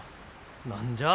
何じゃあ。